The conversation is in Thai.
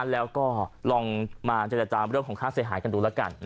แล้วก็ลองมาเจรจาเรื่องของค่าเสียหายกันดูแล้วกัน